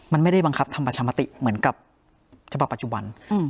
มันไม่ได้บังคับทำประชามติเหมือนกับฉบับปัจจุบัน